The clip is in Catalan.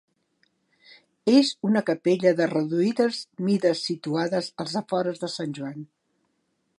És una capella de reduïdes mides situades als afores de Sant Joan.